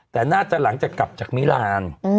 แต่น่าจะหลังจากกลับจากมิลาน